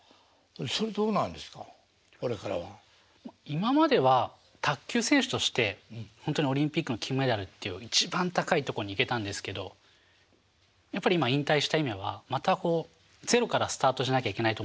今までは卓球選手としてほんとにオリンピックの金メダルという一番高いとこに行けたんですけどやっぱり今引退した今はまたこうゼロからスタートじゃなきゃいけないと思ってるんですよね。